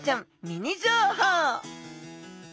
ミニ情報